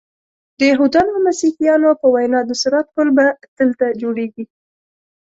د یهودانو او مسیحیانو په وینا د صراط پل به دلته جوړیږي.